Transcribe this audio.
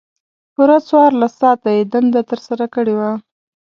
پوره څوارلس ساعته یې دنده ترسره کړې وه.